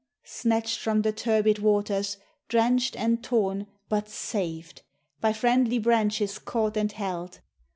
Snatched from the turbid waters, drenched and torn, But SAVED! by friendly branches caught and held.